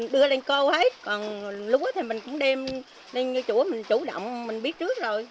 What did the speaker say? đưa lên câu hết còn lúa thì mình cũng đem lên như chỗ mình chủ động mình biết trước rồi